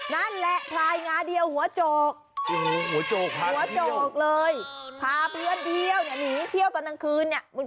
คนเดียวเนี่ยหนีเที่ยวตอนกลางคืนเนี่ย